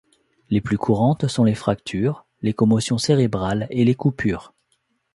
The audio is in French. Les plus courantes sont les fractures, les commotions cérébrales et les coupures.